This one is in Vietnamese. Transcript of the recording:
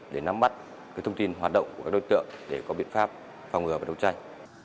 để nắm bắt thông tin hoạt động của các đối tượng để có biện pháp phòng ngừa và đấu tranh